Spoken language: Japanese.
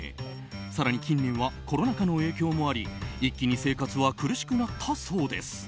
更に近年はコロナ禍の影響もあり一気に生活は苦しくなったそうです。